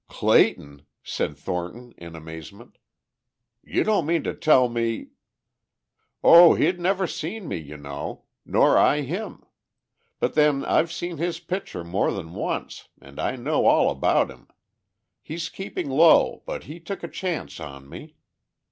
"Clayton!" said Thornton in amazement. "You don't mean to tell me...." "Oh, he'd never seen me, you know. Nor I him. But then I've seen his picture more than once and I know all about him. He's keeping low but he took a chance on me.